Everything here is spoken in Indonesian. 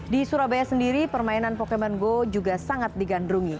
di surabaya sendiri permainan pokemon go juga sangat digandrungi